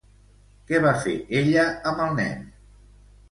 Què va fer ella amb el nen?